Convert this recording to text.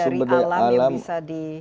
dari alam yang bisa di